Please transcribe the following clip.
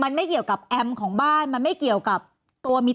มันไม่เกี่ยวกับอัมเมตรของบ้านมันไม่เกี่ยวกับทวนนับที่